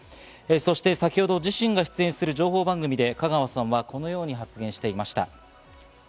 そして先ほど自身が出演する情報番組で香川さんはこのように発言していました。